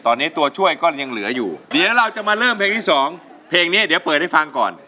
ตอนนี้ตัวช่วยก็ยังเหลืออยู่เดี๋ยวเราจะมาเริ่มเพลงที่สองเพลงนี้เดี๋ยวเปิดให้ฟังก่อน